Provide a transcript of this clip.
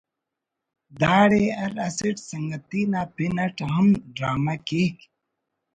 داڑے ہر اسٹ سنگتی نا پن اَٹ ہم ڈرامہ کیک